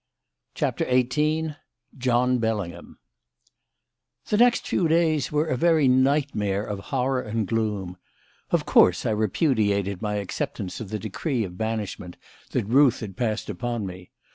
CHAPTER XVIII JOHN BELLINGHAM The next few days were a very nightmare of horror and gloom. Of course, I repudiated my acceptance of the decree of banishment that Ruth had passed upon me.